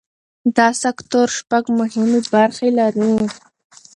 دا سکتور شپږ مهمې برخې لري.